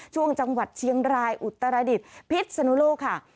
ช่วงจังหวัดเชียงรายอุตรดิษฐ์พิษสนุโลกค่ะ